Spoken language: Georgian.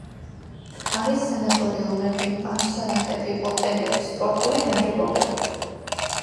არის სანატორიუმები, პანსიონატები, ოტელები, სპორტული ნაგებობები.